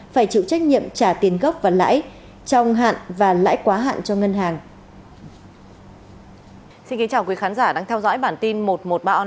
phải chịu trách nhiệm trả tiền gốc và lãi trong hạn và lãi quá hạn cho ngân hàng